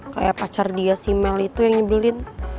kayak pacar dia si mel itu yang nyibulin